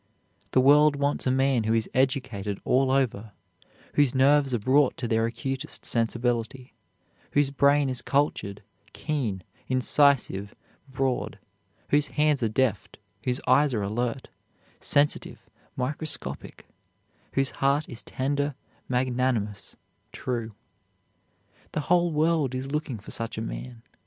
The world wants a man who is educated all over; whose nerves are brought to their acutest sensibility; whose brain is cultured, keen, incisive, broad; whose hands are deft; whose eyes are alert, sensitive, microscopic; whose heart is tender, magnanimous, true. The whole world is looking for such a man.